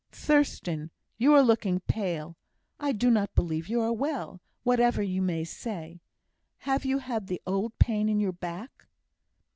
"Thurstan, you are looking pale! I do not believe you are well, whatever you may say. Have you had the old pain in your back?"